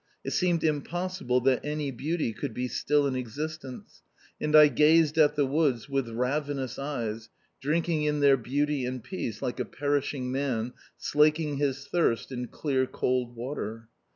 It seemed impossible that any beauty could be still in existence; and I gazed at the woods with ravenous eyes, drinking in their beauty and peace like a perishing man slaking his thirst in clear cold water.